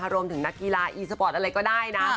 นักกีฬาอีสปอร์ตอะไรก็ได้นะ